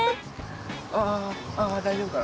あああ大丈夫かな？